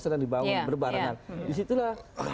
sedang dibangun berbarengan disitulah